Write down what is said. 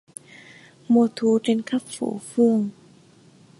Mùa thu trên khắp phố phường